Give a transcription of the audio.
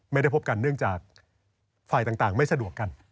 ไม่ได้พบกันเนื่องจากฝ่ายต่างไม่สะดวกกัน